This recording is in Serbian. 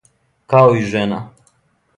Као и жена.